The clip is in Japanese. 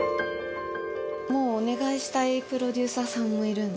もうお願いしたいプロデューサーさんもいるんだ。